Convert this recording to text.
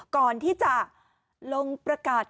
ก่อนที่จะลงประกาศ